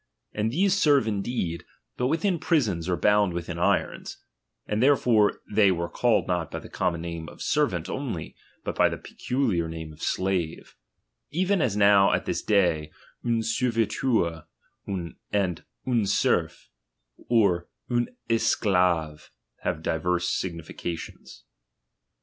And these serve indeed, but within prisons or bound ■ within irons ; and therefore they were called not by the common name of servant only, but by the pecidiar name of slave ; even as now at this day, un servileur, and un serf, or mi esclave have di verse significations.